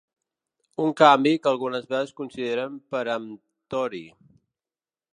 Un canvi que algunes veus consideren peremptori.